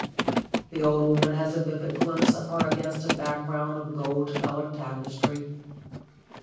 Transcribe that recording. The old woman has a vivid glimpse of her against a background of gold colored tapestry.